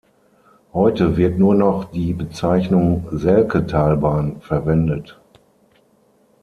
Heute wird nur noch die Bezeichnung "Selketalbahn" verwendet.